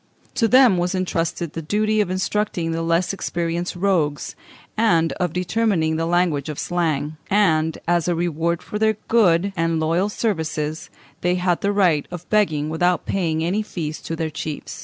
To them was intrusted the duty of instructing the less experienced rogues, and of determining the language of Slang; and, as a reward for their good and loyal services, they had the right of begging without paying any fees to their chiefs.